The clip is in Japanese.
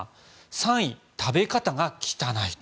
３位、食べ方が汚い。